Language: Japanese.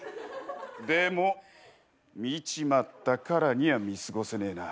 でも見ちまったからには見過ごせねえな。